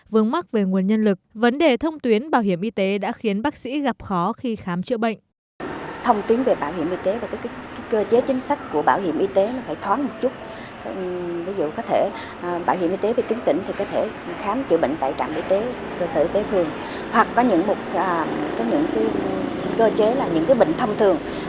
vương mắc về nguồn nhân lực vấn đề thông tuyến bảo hiểm y tế đã khiến bác sĩ gặp khó khi khám chữa bệnh